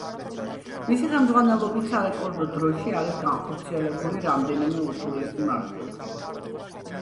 მისი ხელმძღვანელობით სარეკორდო დროში არის განხორციელებული რამდენიმე ურთულესი მარშრუტი.